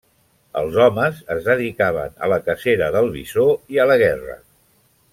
Els homes es dedicaven a la cacera del bisó i a la guerra.